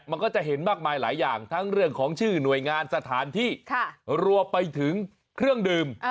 มันก็จะเห็นมากมายหลายอย่างทั้งเรื่องของชื่อหน่วยงานสถานที่รวมไปถึงเครื่องดื่ม